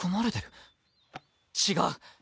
違う。